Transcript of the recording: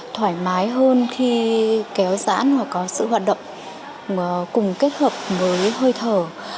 thoải mái hơn khi kéo dãn hoặc có sự hoạt động cùng kết hợp với hơi thở